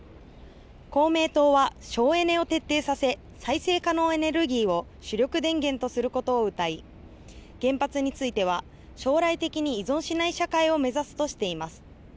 公明党は省エネを徹底させ再生可能エネルギーを主力電源とすることをうたい原発については将来的に依存しない社会を目指すとしています。